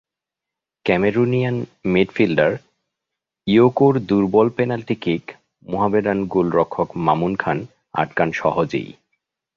Cameroonian midfielder ইয়োকোর দুর্বল penalty kick Mohammedan গোলরক্ষক মামুন খান আটকান সহজেই।